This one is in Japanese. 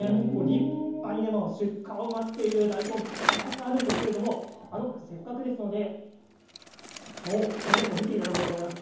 立派に出荷を待っている大根、たくさんあるんですけれども、せっかくですので、そう、春大根見ていただこうと思います。